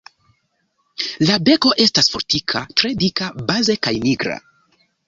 La beko estas fortika, tre dika baze kaj nigra.